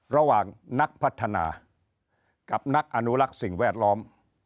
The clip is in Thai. ระหว่างนักพัฒนากับนักอนุรักษ์สิ่งแวดล้อม